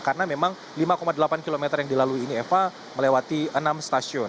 karena memang lima delapan km yang dilalui ini eva melewati enam stasiun